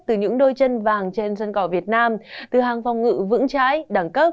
từ những đôi chân vàng trên sân cỏ việt nam từ hàng phòng ngự vững trái đẳng cấp